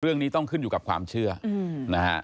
เรื่องนี้ต้องขึ้นอยู่กับความเชื่อนะฮะ